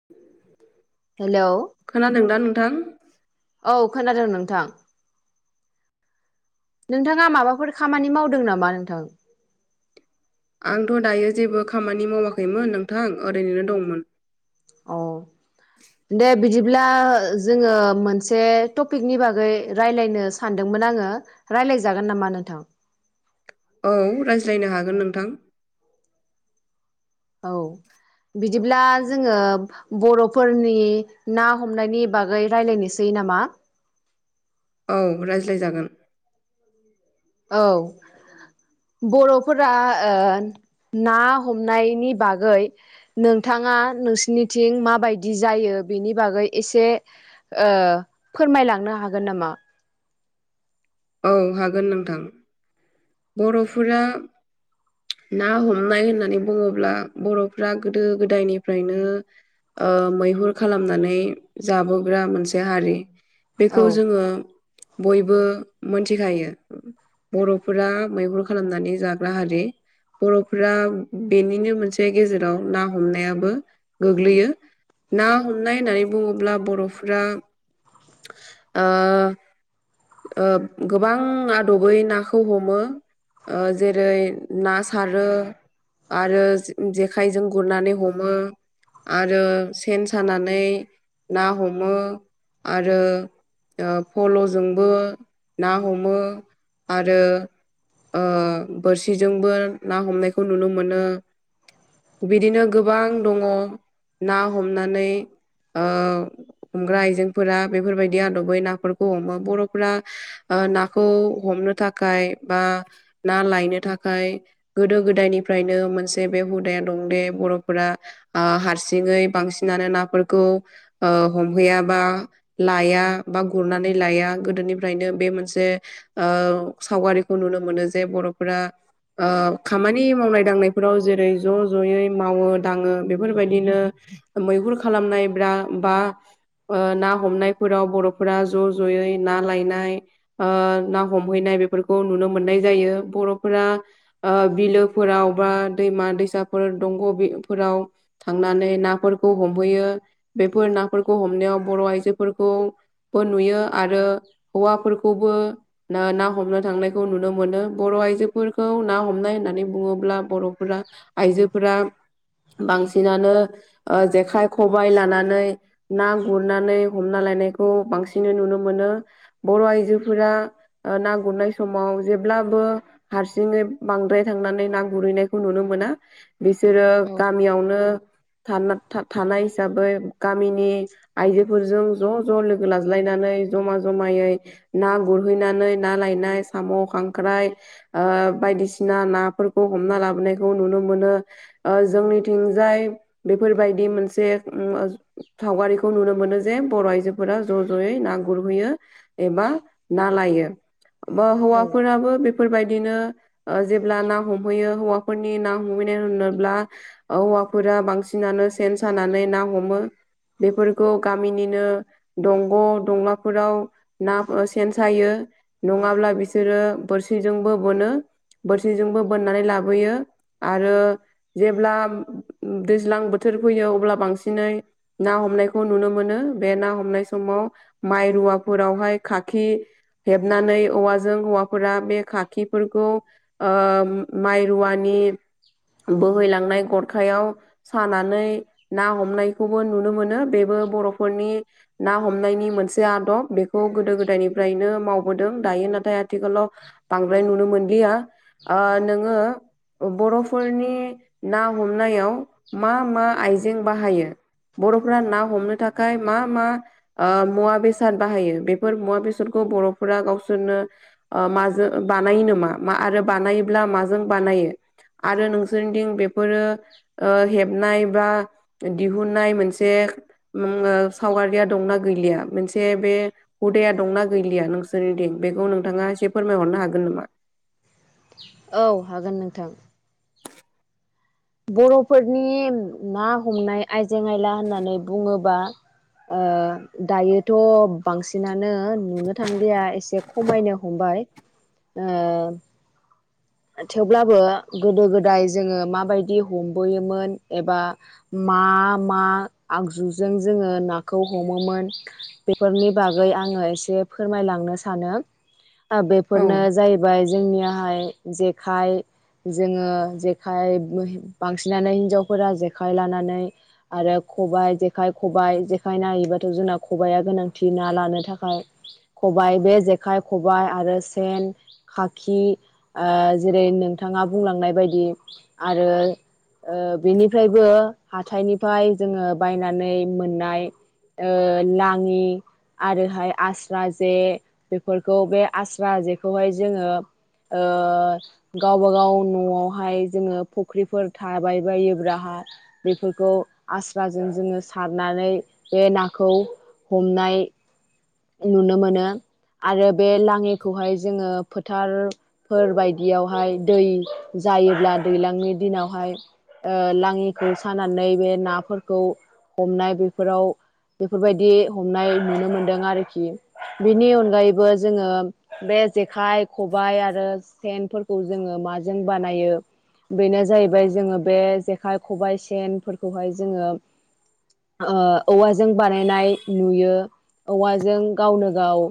[inaudible] Hello खोनादोंना नोंथां औ खोनादों नोंथां नोंथाङा माबाफोर खामानि मावदों नामा नोंथां आंथ दायो जेबो खामानि मावाखैमोन नोंथां ओरैनोनो दंमोन अ दे बिदिब्ला जोङो मोनसे टपिकनि बागै रायलायनो सानदोंमोन आङो रायज्लायजागोन नामा नोंथां औ रायज्लायनो हागोन नोंथां औ बिदिब्ला जोङो बर'फोरनि ना हमनायनि बागै रायज्लायनोसै नामा औ रायज्लायजागोन औ बर'फोरा ना हमनायनि बागै नोंथाङा नोंसिनिथिं माबायदि जायो बेनि बागै एसे ओ फोरमायलांनो हागोन नामा औ हागोन नोंथां बर'फोरा ना हमनाय होननानै बुङोब्ला बर'फ्रा गोदो गोदायनिफ्रायनो ओ मैहुर खालामनानै जाबोग्रा मोनसे हारि बेखौ औ जोङो बयबो मोनथिखायो बर' फोरा मैहुर खालामनानै जाग्रा हारि बर'फोरा बेनिनो मोनसे गेजेराव ना हमनायाबो गोग्लैयो ना हमनाय होननानै बुङोब्ला बर'फोरा ओ ओ गोबां आदबै नाखौ खौ हमो ओ जेरै ना सारो आरो जेखाइजों गुरनानै हमो आरो सेन सानानै ना हमो आरो। ओ फल'जोंबो ना हमो आरो ओ बोरसिजोंबो ना हमनायखौ नुनो मोनो। बिदिनो गोबां दङ ना हमनानै। ओ हमग्रा आइजेंफोरा बेफोरबायदि आदबै नाफोरखौ हमो बर'फोरा नाखौ हमनो थाखाय बा ना लायनो थाखाय। गोदो गोदायनिफ्रायनो मोनसे बे हुदाया दं दे बर'फोरा ओ हारसिङै बांसिनानो नाफोरखौ ओ हमहैयाबा। लाया बा गुरनानै लाया गोदोनिफ्रायनो बे मोनसे ओ सावगारिखौ नुनो मोनो जे बर'फोरा ओ खामानि मावनाय दांनायफोराव जेरै ज' ज'यै मावो दाङो बेफोरबायदिनो। मैहुर खालामनाय ब्रा बा ना हमनायफोराव बर'फोरा ज' ज'यै ना लायनाय ओ ना हमहैनाय बेफोरखौ नुनो मोननाय जायो बर'फोरा ओ बिलोफोराव बा दैमा दैसाफोर दंग'फोराव थांनानै नाफोरखौ हमहैयो बेफोर नाफोरखौ हमनायाव बर' आइजोफोरखौ बो नुयो आरो हौवाफोरखौबो ना हमनो थांनायखौ नुनो मोनो बर' आइजोफोरखौ ना हमनाय होननानै बुङोब्ला बर'फोरा। आइजोफोरा बांसिनानो ओ जेखाइ खबबाय लानानै ना गुरनानै हमना लायनायखौ बांसिनै नुनो मोनो। बर' आइजोफोरा ओ ना गुरनाय समाव जेब्लाबो हारसिङै बांद्राय थांनानै ना गुरहैनायखौ नुनो मोना। बिसोरो औ गामियावनो थानाय हिसाबै गामिनि आइजोफोरजों ज' ज' लोगो लाज्लायनानै जमा जमायै। ना गुरहैनानै ना लायनाय साम' खांख्राइ ओ बायदिसिना नाफोरखौ हमना लाबोनायखौ नुनो मोनो। ओ जोंनिथिंजाय बेफोरबायदि मोनसे सावगारिखौ नुनो मोनो जे बर' आइजोफोरा ज' ज'यै ना गुरहैयो। एबा ना लायो बा औ हौवाफोराबो बेफोरबायदिनो जेब्ला ना हमहैयो हौवाफोरनि ना हमहैनाय होनोब्ला। हौवाफोरा बांसिनानो सेन सानानै ना हमो। बेफोरखौ गामिनिनो दंग' दंलाफोराव ना सेन सायो। नङाब्ला बिसोरो बोरसिजोंबो बोनो बोरसिजोंबो बोननानै लाबोयो आरो जेब्ला दैज्लां बोथोर फैयो अब्ला बांसिनै ना हमनायखौ नुनो मोनो बे ना हमनाय समाव माइ रुवाफोरावहाय खाखि हेबनानै खखा जों हौवाफोरा बे खाखिफोरखौ ओ माइ रुवानि बोहैलांनाय गरखायाव सानानै ना हमनायखौबो नुनो मोनो बेबो बर'फोरनि ना हमनायनि मोनसे आदब बेखौ गोदो गोदायनिफ्रायनो मावबोदों दायो नाथाय आथिखालाव बांद्राय नुनो मोनलिया ओ नोङो बर'फोरनि ना हमनायाव मा मा आइजें बाहायो बर'फोरा ना हमनो था खाय मा मा ओ मुवा बेसाद बाहायो बेफोर मुवा बेसादखौ बर'फोरा गाव सोरनो ओ माजों बानायो नामा आरो बानायोब्ला माजों बानायो आरो नोंसोरनिथिं बेफोरो ओ हेबनाय बा दिहुननाय मोनसे उम ओ सावगारिया दंना गैलिया मोनसे बे हुदाया दंना गैलिया नोंसोरनि दिं बेखौ नोंथाङा एसे फोरमायहरनो हागोन नामा औ हागोन नोंथां बर'फोरनि ना हमनाय आइजें आयला होननानै बुङोबा ओ दायोथ' बांसिनानो नुनो थांलिया एसे खमायनो हमबाय ओ थेवब्लाबो गोदो गोदाय जोङो माबायदि हमबोयोमोन एबा मा मा आगजुजों जोङो नाखौ हमोमोन बेफोरनि बागै आङो एसे फोरमायलांनो सानो ओ औ बेफोरनो जाय बाय जोंनियाहाय जेखाइ जोङो जेखाइ बांसिनानो हिनजावफोरा जेखाइ लानानै आरो खबायाइ जेखाइ खबाइ जेखाइ नायैबाथ' जोंना खबाइआ गोनांथि ना लानो थाखाय खबाइ बे जेखाइ खबाइ आरो सेन खाखि जेरै नोंथाङा बुंलांनाय बायदि आरो ओ बेनिफ्रायबो हाथाइनिफ्राय जोङो बायनानै मोननाय ओ लाङि आरोहाय आस्रा जे बेफोरखौ बे आस्रा जेखौहाय जोङो ओ गावबा गाव न'आवहाय जोङो फुख्रिफोर थाबाय बायोब्लाहा बेफोरखौ आस्राजों जोङो सारनानै बे नाखौ हमनाय नुनो मोनो आरो बे लाङिखौहाय जोङो फोथार फोरबायदियावहाय दै जायोब्ला दैज्लांनि दिनावहाय ओ लाङिखौ सानानै बे नाफोरखौ हमनाय बेफोराव बेफोरबायदि हमनाय नुनो मोन्दों आरो खि बिनि अनगायैबो जोङो बे जेखाइ खबाइ आरो सेनफोर खौ जोङो माजों बानायो। बेनो जाहैबाय जोङो बे जेखाइ खबाइ सेनफोरखौहाय जोङो ओ औवाजों बानायनाय नुयो औवाजों जों गावनो गाव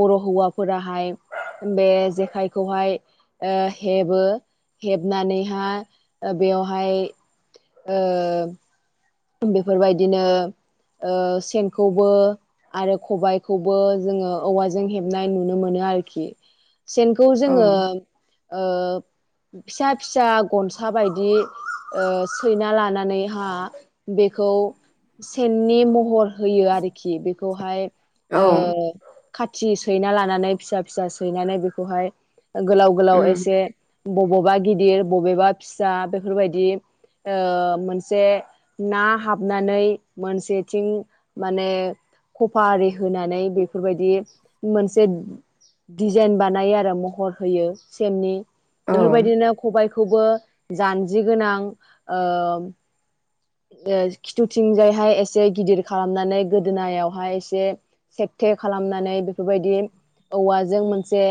बर' हौवाफोराहाय बे जेखाइखौहाय ओ हेबो हेबनानैहाय बेवहाय ओ बेफोरबायदिनो ओ सेनखौबो आरो खबबायखौबो जोङो औवाजों हेबनाय नुनो मोनो आरोखि सेनखौ औ जोङो ओ फिसा फिसा गनसा बायदि ओ सैना लानानैहा बेखौ सेननि महर होयो आरोखि बेखौहाय ओ खाथि सैना लानानै फिसा फिसा सैनानै बेखौहाय गोलाव गोलाव उम एसे बबेबा गिदिर बबेबा फिसा बेफोरबायदि ओ मोनसे ना हाबनानै मोनसेथिं माने कफा आरि होनानै बेफोरबायदि मोनसे दिजाइन बानायो आरो महर होयो सेननि औ बेफोरबायदिनो खबायखौबो जानजि गोनां ओ ओ खिथुथिंजायहाय एसे गिदिर खालामनानै गोदोनायावहाय एसे सेकथे खालामनानै बेफोरबायदि औवाजों मोनसे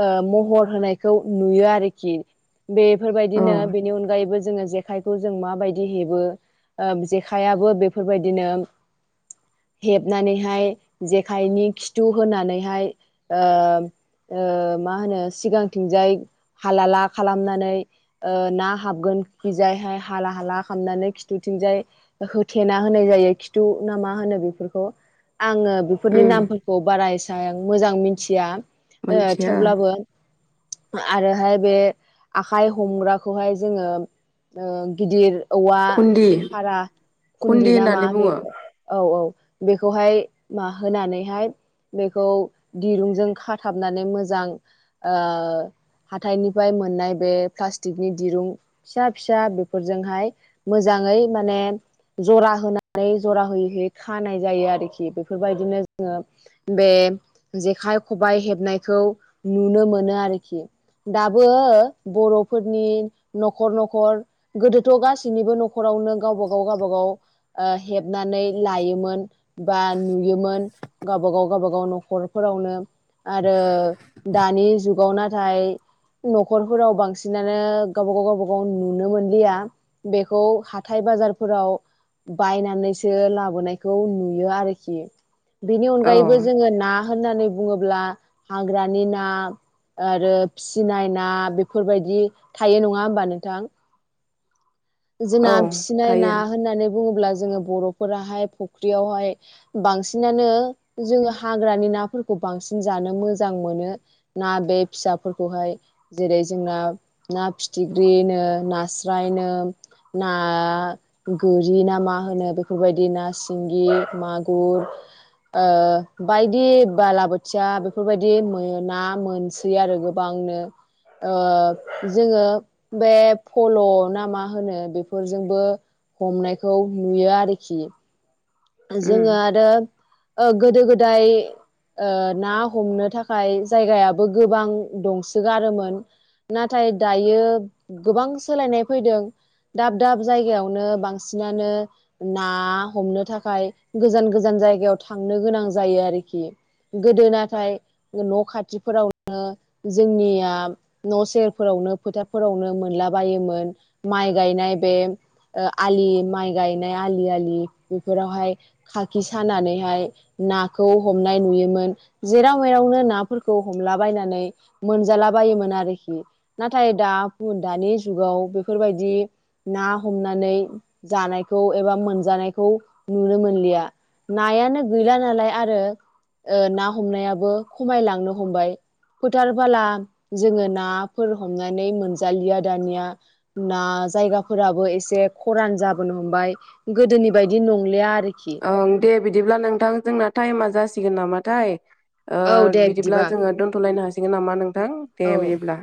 ओ महर होनायखौ नुयो आरोखि औ बेफोरबायदिनो बेनि अनगायैबो जोङो जेखाइखौ जों माबायदि हेबो ओ जेखायाबो बेफोरबायदिनो हेबनानैहाय जेखाइनि खिथु होनानैहाय ओ ओ मा होनो सिगांथिंजाय हालाला खालामनानै ओ ना हाबगोन खिजायहाय हाला हाला खालामनानै खिथुथिंजाय होथेना होनाय जायो खिथु ना मा होनो बेफोरखौ आङो बेफोरनि उम नामफोरखौ बारा एसां मोजां मिथिया ओ मोनथिया थेवब्लाबो आरोहाय बे आखाइ हमग्राखौहाय जोङो ओ गिदिर औवा खुन्दि भारा खुन्दि नामा होननानै बे बुङो औ औ बेखौहाय मा होनानैहाय बेखौ दिरुंजों खाथाबनानै मोजां ओ हाथाइनिफ्राय मोननाय बे प्लास्टिकनि दिरुं फिसा फिसा बेफोरजोंहाय मोजाङै माने जरा होनानै जरा होयै होयै खानाय जायो आरोखि बेफोरबायदिनो जोङो बे जेखाइ खबाइ हेबनायखौ नुनो मोनो आरोखि दाबो बर'फोरनि न'खर न'खर गोदोथ' गासिनिबो नखर फोरावनो गावबा गाव गावबा गाव ओ हेबनानै लायोमोन बा नुयोमोन ओ गावबागाव गावबागाव न'खरफोरावनो आरो दानि जुगाव नाथाय न'खरफोराव बांसिनानो गावबा गाव गावबा गाव नुनो मोनलिया खौ हाथाय बाजारफोराव बायनानैसो लाबोनायखौ नुयो आरोखि बेनि औ अनगायैबो जोङो ना होननानै बुङोब्ला हाग्रानि ना आरो फिसिनाय ना बेफोरबायदि थायो नङा होमबा नोंथां जोंहा औ फिसिनाय ना थायो होननानै बुङोब्ला जोङो बर'फोराहाय फुख्रियावहाय बांसिनानो जोङो हाग्रानि नाफोरखौ बांसिन जानो मोजां मोनो ना बे फिसाफोरखौहाय जेरै जोंना ना फिथिख्रिनो नास्रायनो ना गोरि ना मा होनो बेफोरबायदि ना सिंगि मागुर ओ बायदि बालाबोथिया बेफोरबायदि मोन ना मोनसो होयो आरो गोबांनो ओ जोङो बे फल' नामा होनो बेफोरजोंबो हमनायखौ नुयो आरोखि उम जोङो आरो गोदो गोदाय ओ ना हमनो थाखाय जायगायाबो गोबां दंसोगारोमोन नाथाय दायो गोबां सोलायनाय फैदों दाब दाब जायगायावनो बांसिनानो ना हमनो थाखाय थाखाय गोजान गोजान जायगायाव थांनो गोनां जायो आरोखि गोदो नाथाय न' खाथिफोरावनो जोंनिया न' सेरफोरावनो फोथारफोरावनो मोनला बायोमोन माइ गायनाय बे आलि माइ गायनाय आलि आलि बेफोरावहाय खाखि सानानैहाय नाखौ हमनाय नुयोमोन जेराव मेरावनो नाफोरखौ हमलाबायनानै मोनजाला बायोमोन आरोखि नाथाय दा दानि जुगाव बेफोरबायदि ना हमनानै जानायखौ एबा मोनजानायखौ नुनो मोनलिया। नायानो गैला नालाय आरो ओ ना हमनायाबो खमायलांनो हमबाय फोथारबोला जोङो नाफोर हमनानै मोनजालिया दानिया ना जायगाफोराबो एसे खरान जाबोनो हमबाय गोदोनि बायदि नं- लिया आरोखि ओं दे बिदिब्ला नोंथां जोंना टाइमा जासिगोन नामाथाय ओ औ दे बिदिब्ला बिदिबा जोङो दोन्थ'लायनो हासिगोन नामा नोंथां दे औ बिदिब्ला।